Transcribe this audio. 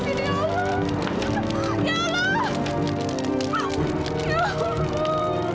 tidak bisa berakhir sampai mati disini ya allah